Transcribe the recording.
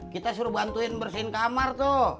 kita suruh bantuin bersihin kamar tuh